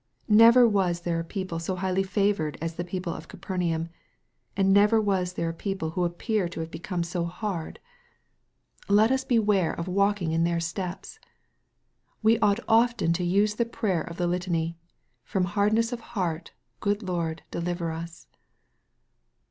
Never was there a people BO highly favored as the people of Capernaum, and never was there a people who appear to have become so hard 28 EXPOSITOR* THOUGHTS. Let us beware of walking in their steps. We ought olten to use the prayer of the Litany, " Firom hardness of heart. Good Lord, deliver us."